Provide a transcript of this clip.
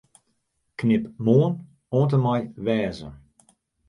Knip 'Moarn' oant en mei 'wêze'.